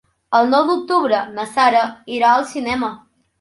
El nou d'octubre na Sara irà al cinema.